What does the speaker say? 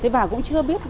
và cũng chưa biết